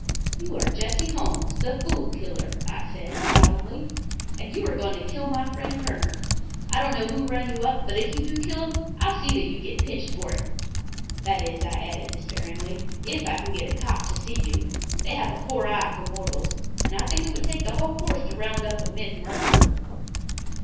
"You are Jesse Holmes, the Fool Killer," I said, solemnly, "and you are going to kill my friend Kerner. I don't know who rang you up, but if you do kill him I'll see that you get pinched for it. That is," I added, despairingly, "if I can get a cop to see you. They have a poor eye for mortals, and I think it would take the whole force to round up a myth murderer."